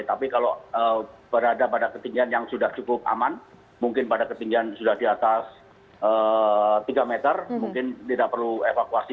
tapi kalau berada pada ketinggian yang sudah cukup aman mungkin pada ketinggian sudah di atas tiga meter mungkin tidak perlu evakuasi